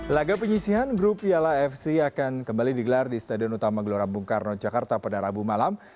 laga penyisihan grup piala fc akan kembali digelar di stadion utama gelora bung karno jakarta pada rabu malam